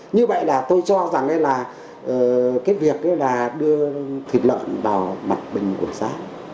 như vậy là tôi cho rằng là cái việc đưa thịt lợn vào bạch bình của giá